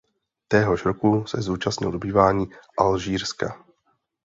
Téhož roku se zúčastnil dobývání Alžírska.